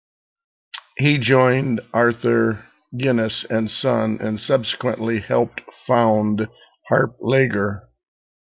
He joined Arthur Guinness and Son and subsequently helped found Harp Lager.